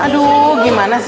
aduh gimana sih